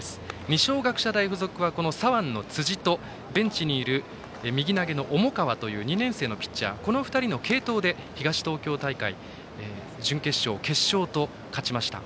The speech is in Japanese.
二松学舎大付属は左腕の辻とベンチにいる右投げの重川という２年生のピッチャーの２人の継投で、東東京大会準決勝、決勝と勝ちました。